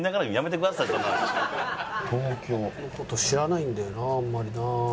東京の事知らないんだよなあんまりな。